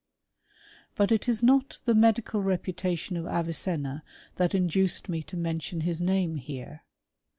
= t But it is not the medical reputation of Avicenna that> induced me to mention his name here.